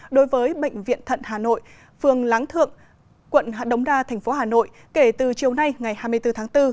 đối với bệnh viện thận hà nội phường láng thượng quận đống đa thành phố hà nội kể từ chiều nay ngày hai mươi bốn tháng bốn